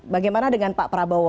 bagaimana dengan pak prabowo